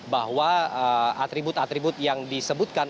bahwa atribut atribut yang disebutkan